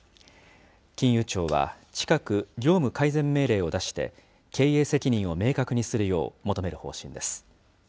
金融庁は近く、業務改善命令を出して、経営責任を明確にするよう求める方針です。